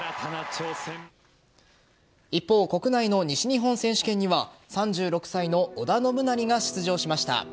一方、国内の西日本選手権には３６歳の織田信成が出場しました。